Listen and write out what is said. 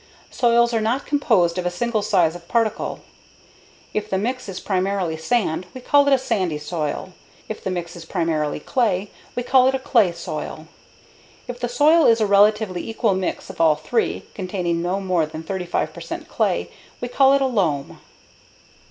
Soils are not composed of a single size of particle. If the mix is primarily sand, we call it a sandy soil. If the mix is primarily clay, we call it a clay soil. If the soil is a relatively equal mix of all three, containing no more than 35 percent clay, we call it a loam.